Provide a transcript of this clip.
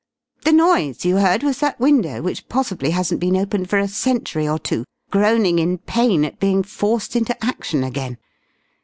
The noise you heard was that window which possibly hasn't been opened for a century or two, groaning in pain at being forced into action again!